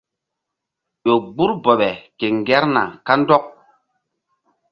Ƴo gbur bɔɓe ke ŋgerna kandɔk.